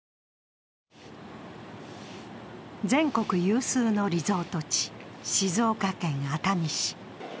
全国有数のリゾート地、静岡県熱海市。